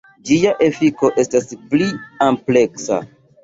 Ĝia efiko estas pli ampleksa.